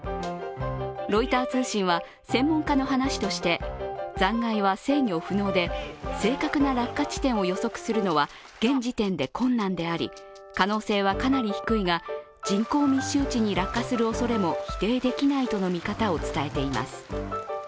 ロイター通信は専門家の話として残骸は制御不能で、正確な落下地点を予測するのは現時点で困難であり可能性はかなり低いが人口密集地に落下するおそれも否定できないとの見方を伝えています。